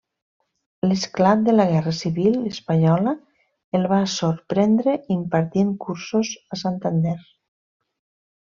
L'esclat de la guerra civil espanyola el va sorprendre impartint cursos a Santander.